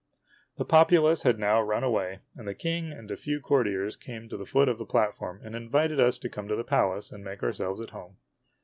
The populace had now run away, and the King and a few cour tiers came to the foot of the platform and invited us to come to the Palace and make ourselves at home.